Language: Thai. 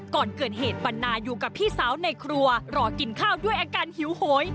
ก่อนเกิดเหตุปันนาอยู่กับพี่สาวในครัวรอกินข้าวด้วยอาการหิวโหย